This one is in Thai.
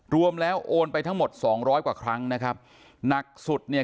รวมแล้วโอนไปทั้งหมดสองร้อยกว่าครั้งนะครับหนักสุดเนี่ย